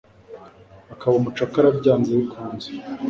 akaba umucakara byanze bikunze